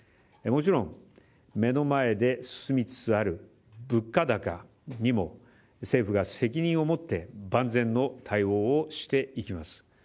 もちろん目の前で進みつつある物価高にも、政府が責任を持って万全の対応をしていきます。